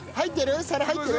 入ってる？